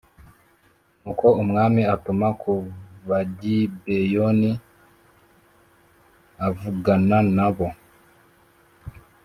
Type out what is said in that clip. nuko umwami atuma ku bagibeyoni v avugana na bo